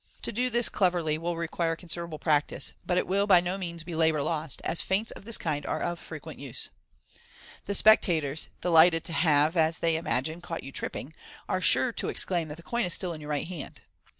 To do this cleverly will require consider able practice, but it will by no means be labour lost, as feints of this kind are of frequent use. The spectators, delighted to have, as they imagine, caught you tripping, are sure to exclaim that the coin is still in your right hand.